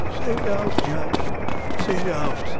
'Sing out, Jack! sing out!'